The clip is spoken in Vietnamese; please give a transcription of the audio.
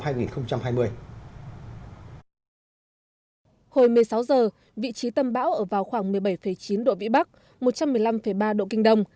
hồi một mươi sáu giờ vị trí tâm bão ở vào khoảng một mươi bảy chín độ vĩ bắc một trăm một mươi năm ba độ kinh đông